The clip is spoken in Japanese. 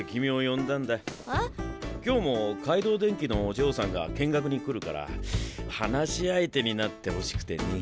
今日も海堂電機のお嬢さんが見学に来るから話し相手になってほしくてね。